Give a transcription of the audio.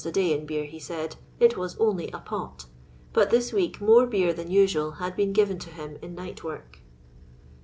a day in beer, he said, " it was only a pot ;" but this week more beer than nsnal had been given to him in nightwork.